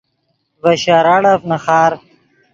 ڤے شراڑف نیخار